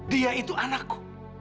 dia itu anakku